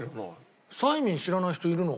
サイミン知らない人いるの？